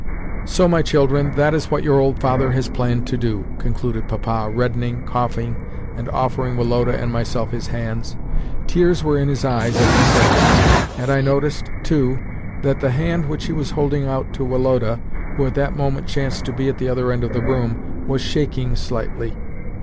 "So, my children, that is what your old father has planned to do," concluded Papa reddening, coughing, and offering Woloda and myself his hands. Tears were in his eyes as he said this, and I noticed, too, that the hand which he was holding out to Woloda (who at that moment chanced to be at the other end of the room) was shaking slightly.